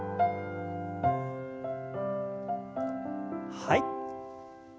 はい。